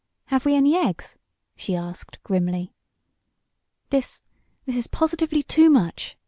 "Have we any eggs?" she asked, grimly. "This this is positively too much!"